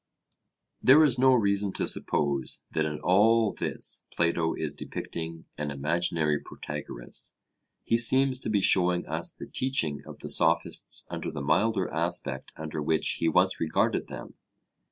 "' There is no reason to suppose that in all this Plato is depicting an imaginary Protagoras; he seems to be showing us the teaching of the Sophists under the milder aspect under which he once regarded them.